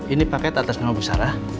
ini paket atas nama bu sarah